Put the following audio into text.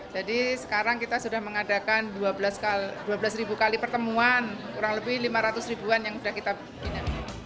jadi sekarang kita sudah mengadakan dua belas ribu kali pertemuan kurang lebih lima ratus ribuan yang sudah kita bina